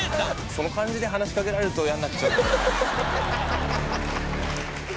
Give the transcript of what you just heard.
その感じで話し掛けられると嫌になっちゃう。